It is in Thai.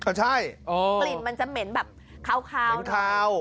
อ่ะใช่อ๋อกลิ่นมันจะเหม็นแบบคาวแข็งขาว